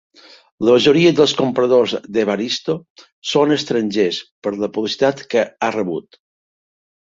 La majoria dels compradors d'Evaristo són estrangers per la publicitat que ha rebut.